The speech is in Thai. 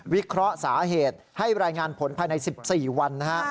เคราะห์สาเหตุให้รายงานผลภายใน๑๔วันนะฮะ